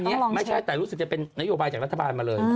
อันนี้ไม่ใช่แต่รู้สึกจะเป็นนโยบายจากรัฐบาลมาเลย